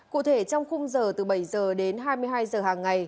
cụ thể trong khung giờ từ bảy giờ đến hai mươi hai giờ hàng ngày